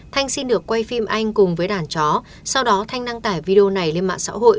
thanh xin được quay phim anh cùng với đàn chó sau đó thanh đăng tải video này lên mạng xã hội